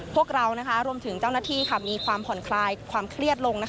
พวกเรารวมถึงเจ้าหน้าที่มีความผ่อนคลายความเครียดลง